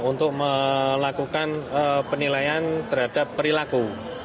untuk melakukan penilaian terhadap perilaku